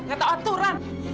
gak tahu aturan